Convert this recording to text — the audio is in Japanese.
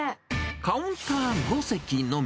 カウンター５席のみ。